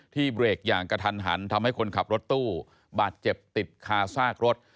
เบรกอย่างกระทันหันทำให้คนขับรถตู้บาดเจ็บติดคาซากรถ